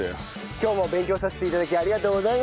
今日も勉強させて頂きありがとうございました！